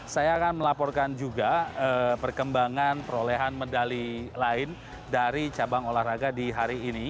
saya akan melaporkan juga perkembangan perolehan medali lain dari cabang olahraga di hari ini